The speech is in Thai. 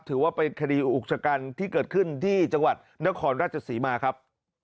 ถือว่าเป็นคดีอุกชะกันที่เกิดขึ้นที่จังหวัดนครราชศรีมาครับ